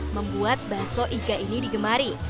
membuat bakso iga ini digemari